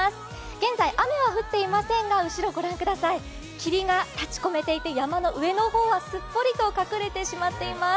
現在、雨は降っていませんが後ろご覧ください、霧が立ち込めていて山の上の方はすっぽりと隠れてしまっています。